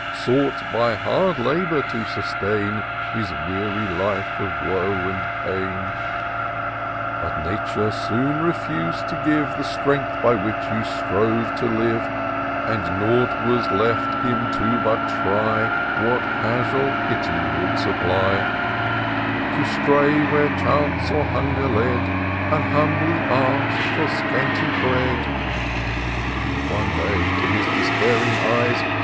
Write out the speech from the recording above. Sought, by hard labour, to sustain His weary life of woe and pain: But Nature soon refus'd to give The strength by which he strove to live ; And nought was left him but to try What casual pity would supply ; To stray where chance or hunger led. And humbly ask for scanty bread. One day, to his despairing eyes.